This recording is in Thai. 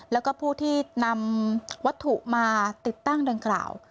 แล้วก็ผู้ที่นำวัตถุมาติดตั้งดังกล่าว